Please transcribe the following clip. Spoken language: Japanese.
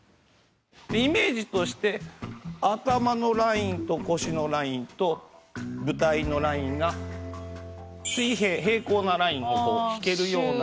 イメージとして頭のラインと腰のラインと舞台のラインが水平平行なラインを引けるような感じ。